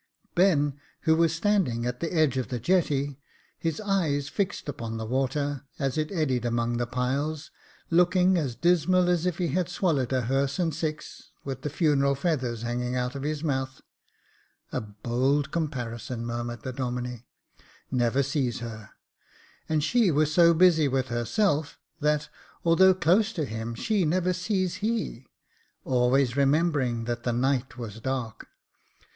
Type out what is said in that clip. Ben, who was standing at the edge of the jetty, his eyes fixed upon the water, as it eddied among the piles, looking as dismal as if he had swallowed a hearse and six, with the funeral feathers hanging out of his mouth "A bold comparison," murmured the Domine. Never sees her ; and she was so busy with herself, that, although close to him, she never sees he — always remembering that the night was dark.